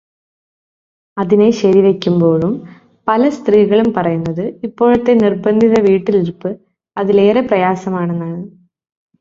അതിനെ ശരിവെക്കുമ്പോഴും പല സ്ത്രീകളും പറയുന്നത് ഇപ്പോഴത്തെ നിർബന്ധിതവീട്ടിലിരുപ്പ് അതിലേറെ പ്രയാസമാണെന്നാണ്.